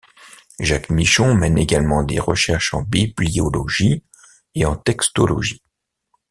Jacques Michon mène également des recherches en bibliologie et en textologie.